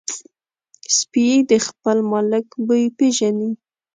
سپي د خپل مالک بوی پېژني.